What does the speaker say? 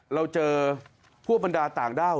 เราเจอพวกบรรดาต่างด้าว